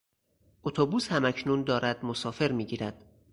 اتوبوس هم اکنون دارد مسافر میگیرد.